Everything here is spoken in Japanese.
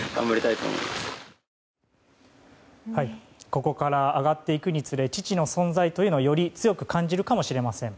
ここから上がっていくに連れ父の存在というのをより強く感じるかもしれません。